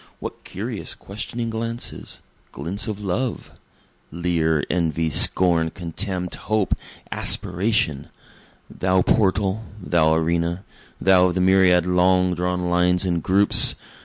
What curious questioning glances glints of love! Leer, envy, scorn, contempt, hope, aspiration! Thou portal thou arena thou of the myriad long drawn lines and groups!